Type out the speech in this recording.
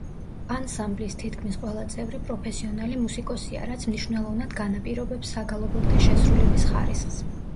ანსამბლის თითქმის ყველა წევრი პროფესიონალი მუსიკოსია, რაც მნიშვნელოვნად განაპირობებს საგალობელთა შესრულების ხარისხს.